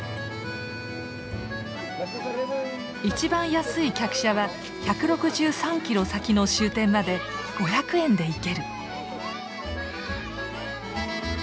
一番安い客車は１６３キロ先の終点まで５００円で行ける。